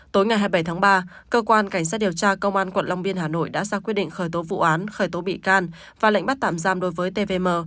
tối ngày hai mươi bảy tháng ba cơ quan cảnh sát điều tra công an quận long biên hà nội đã ra quyết định khởi tố vụ án khởi tố bị can và lệnh bắt tạm giam đối với tvm